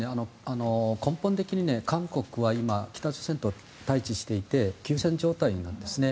根本的に韓国は今北朝鮮と対峙していて休戦状態なんですね。